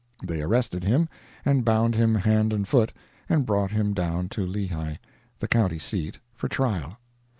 They arrested him, and bound him hand and foot, and brought him down to Lehi, the county seat, for trial.